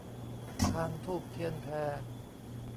พานธูปเทียนแพ